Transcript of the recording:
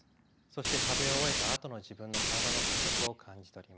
そして食べ終えたあとの自分の体の感覚を感じ取ります。